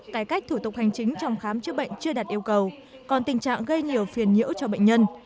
cải cách thủ tục hành chính trong khám chữa bệnh chưa đạt yêu cầu còn tình trạng gây nhiều phiền nhiễu cho bệnh nhân